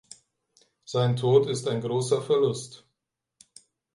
Sein Tod ist ein großer Verlust.